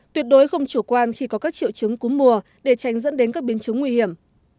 tuyệt đối không chủ quan khi có các triệu chứng cúm mùa để tránh dẫn đến các biến chứng nguy hiểm